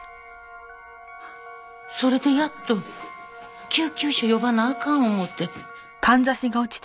それでやっと救急車呼ばなあかん思うて。